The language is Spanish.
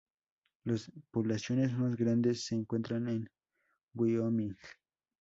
Las poblaciones más grandes se encuentran en Wyoming.